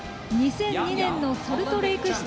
２００２年のソルトレーク